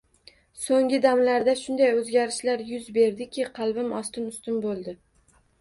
So`nggi damlarda shunday o`zgarishlar yuz berdiki, qalbim ostin-ustun bo`ldi